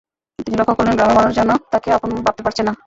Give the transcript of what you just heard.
তিনি লক্ষ করলেন, গ্রামের মানুষ যেন তাকে আপন ভাবতে পারছে না।